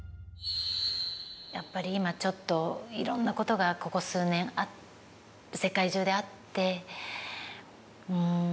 やっぱり今ちょっといろんなことがここ数年世界中であって。